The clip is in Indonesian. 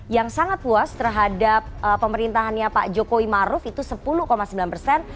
yang sangat puas terhadap pemerintahannya pak jokowi maruf itu sepuluh sembilan persen